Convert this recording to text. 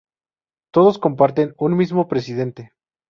Todos comparten un mismo presidente.